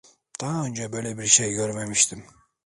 Daha önce böyle bir şey görmemiştim.